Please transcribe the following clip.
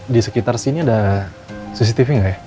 di sekitar sini ada cctv nggak ya